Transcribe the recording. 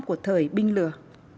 của thời binh lửa